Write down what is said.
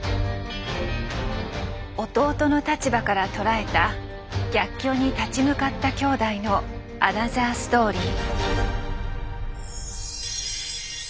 弟の立場から捉えた逆境に立ち向かった兄弟のアナザーストーリー。